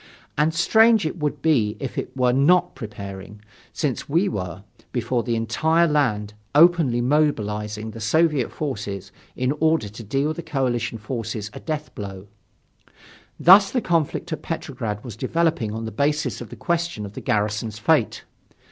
And strange it would be if it were not preparing, since we were, before the entire land, openly mobilizing the Soviet forces in order to deal the coalition forces a death blow. Thus the conflict at Petrograd was developing on the basis of the question of the garrison's fate.